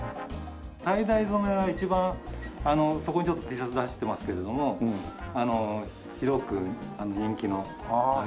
タイダイ染めが一番そこにちょっとＴシャツ出してますけれども広く人気のアイテムです。